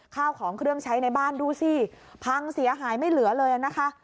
ข้าวของเครื่องใช้ในบ้านดูสิพังเสียหายไม่เหลือเลยนะคะ